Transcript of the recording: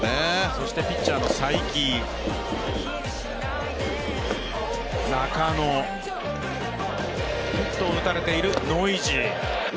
そしてピッチャーの才木中野、ヒットを打たれているノイジー。